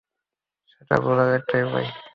সেটা বোঝার একটাই উপায়।